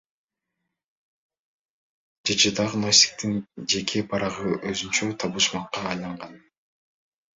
ЖЖдагы Носиктин жеке барагы өзүнчө табышмакка айланган.